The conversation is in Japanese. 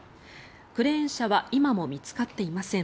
クレーン車は今も見つかっていません。